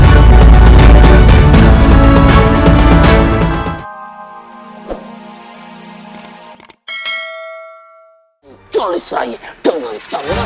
kanda penjara bawah tanah